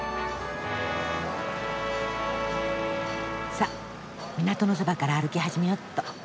さっ港のそばから歩き始めよっと。